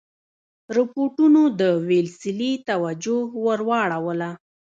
رپوټونو د ویلسلي توجه ور واړوله.